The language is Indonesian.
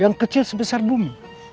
yang kecil sebesar bumi